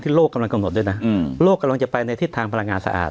โลกกำลังกำหนดด้วยนะโลกกำลังจะไปในทิศทางพลังงานสะอาด